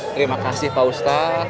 terima kasih pak ustadz